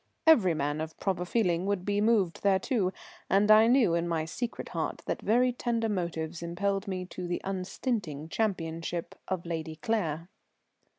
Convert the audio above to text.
Every man of proper feeling would be moved thereto, and I knew in my secret heart that very tender motives impelled me to the unstinting championship of Lady Claire.